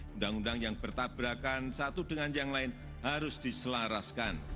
undang undang yang bertabrakan satu dengan yang lain harus diselaraskan